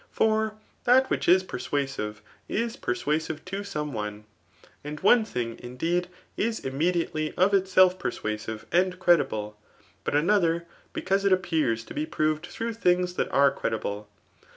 For that which is per« soasiTe, is persuasive to some one. Aiid one things indeed, is immedktely of ilsetf persuasive and credibts i but another, because it appears to be pMved thtoilgh tMngs that are credible.